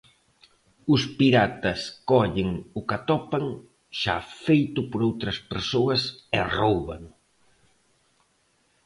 Os piratas collen o que atopan xa feito por outras persoas e róubano.